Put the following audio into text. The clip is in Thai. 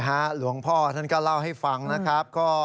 หลวงพ่อท่านก็เล่าให้ฟังนะครับ